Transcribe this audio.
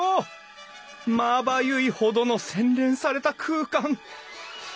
まばゆいほどの洗練された空間。